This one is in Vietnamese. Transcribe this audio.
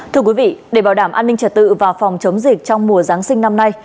thưa quý vị để bảo đảm an ninh trật tự và phòng chống dịch trong mùa giáng sinh năm nay